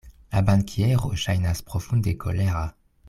La bankiero ŝajnas profunde kolera.